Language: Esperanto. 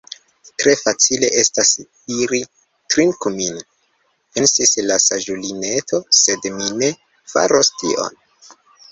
"Tre facile estas diri 'Trinku min'" pensis la saĝulineto, "sed mi ne faros tion. »